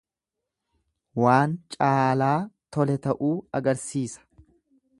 Waan caalaa tole ta'uu agarsiisa.